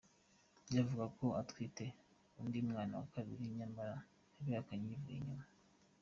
byavugwaga ko atwite undi mwana wa kabiri nyamara yabihakanye yivuze inyuma.